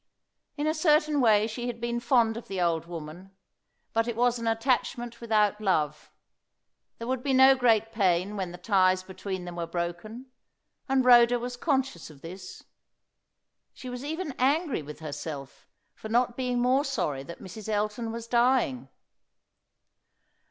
In a certain way she had been fond of the old woman; but it was an attachment without love. There would be no great pain when the ties between them were broken, and Rhoda was conscious of this. She was even angry with herself for not being more sorry that Mrs. Elton was dying.